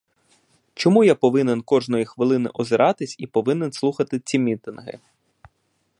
Чому я повинен кожної хвилини озиратись і повинен слухати ці мітинги?